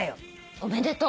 おめでとう。